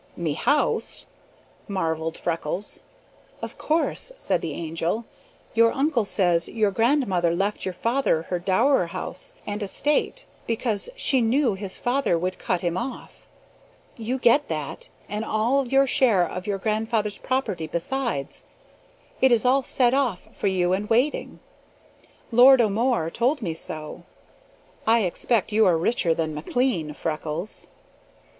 "Me house?" marveled Freckles. "Of course," said the Angel. "Your uncle says your grandmother left your father her dower house and estate, because she knew his father would cut him off. You get that, and all your share of your grandfather's property besides. It is all set off for you and waiting. Lord O'More told me so. I suspect you are richer than McLean, Freckles."